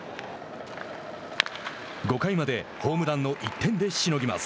５回までホームランの１点でしのぎます。